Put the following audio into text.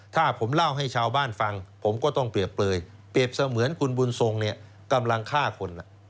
ถ้าผมเล่าให้ชาวบ้านฟังผมก็ต้องเปรียบเปลยเปรียบเสมือนคุณบุญทรงเนี่ยกำลังฆ่าคน